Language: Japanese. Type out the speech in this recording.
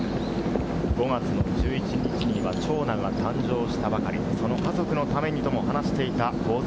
５月の１１日には長男が誕生したばかり、その家族のためにもと話していた香妻